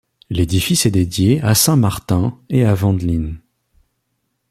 L'édifice est dédié à Saint Martin et à Wendelin.